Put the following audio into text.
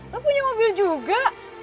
lo punya mobil juga